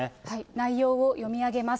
内容を読み上げます。